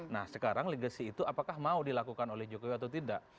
nah sekarang legacy itu apakah mau dilakukan oleh jokowi atau tidak